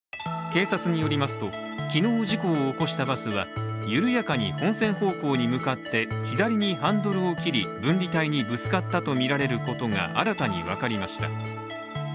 警察によりますと昨日事故を起こしたバスは、緩やかに本線方向に向かって左にハンドルを切り分離帯にぶつかったとみられることが新たに分かりました。